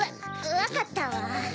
わかったわ。